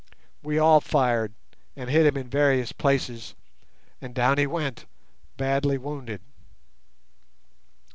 We all fired, and hit him in various places, and down he went, badly wounded.